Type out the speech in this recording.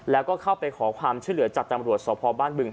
แล้วก็เข้าไปขอความช่วยเหลือจากตำรวจสพบ้านบึง